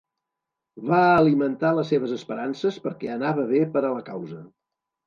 Va alimentar les seves esperances perquè anava bé per a la causa.